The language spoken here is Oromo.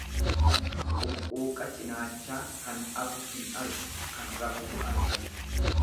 Quqquuqa cinaachaa kan afu hin argu, kan rafutu arga.